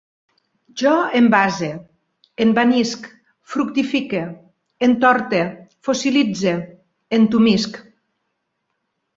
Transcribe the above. Jo envase, envanisc, fructifique, entorte, fossilitze, entumisc